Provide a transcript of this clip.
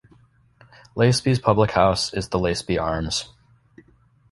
Laceby's public house is the Laceby Arms.